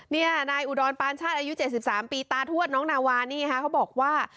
นี่นายอุดรปานชาติอายุ๗๓ปีตาทวดน้องนาวานี่ค่ะเขาบอกว่า